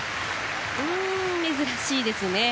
珍しいですね。